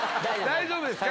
大丈夫ですか？